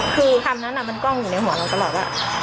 คือคำนั้นมันกล้องอยู่ในหัวเราตลอดว่า